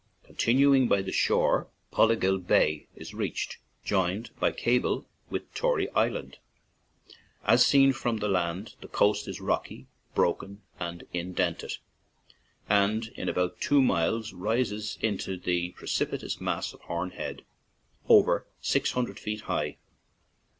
Continuing by the shore, Pollaguill Bay is reached, joined by cable with Tory Island. As seen from the land, the coast is rocky, broken, and indented, and in about two miles rises into the precipitous mass of Horn Head, over six hundred feet high.